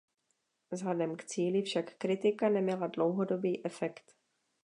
Vzhledem k cíli však kritika neměla dlouhodobý efekt.